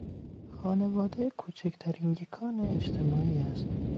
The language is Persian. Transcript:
خانواده کوچکترین یکان اجتماعی است.